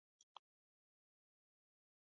زړه د بدن د نورو غړو لپاره حیاتي ارزښت لري.